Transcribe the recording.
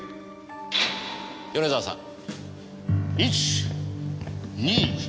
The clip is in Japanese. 米沢さん。